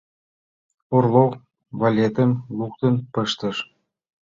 — Орлов валетым луктын пыштыш.